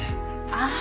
ああ